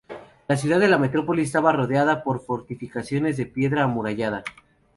La ciudad de la metrópoli estaba rodeada por fortificaciones de piedra amurallada.